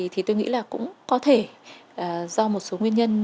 thì tôi nghĩ là cũng có thể do một số nguyên nhân